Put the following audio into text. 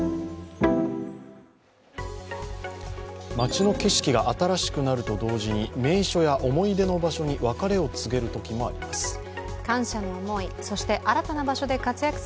街の景色が新しくなると同時に名所や思い出の場所に別れを告げるときもあります。